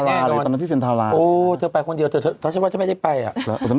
นางงามเช่นไม่ต้องห่วงเช่นไม่ไปแน่นอน